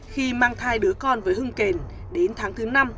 khi mang thai đứa con với hưng kền đến tháng thứ năm